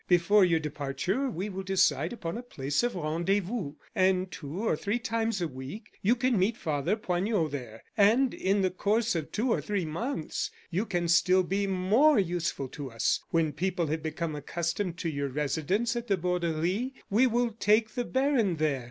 Before your departure we will decide upon a place of rendezvous, and two or three times a week you can meet Father Poignot there. And, in the course of two or three months you can be still more useful to us. When people have become accustomed to your residence at the Borderie, we will take the baron there.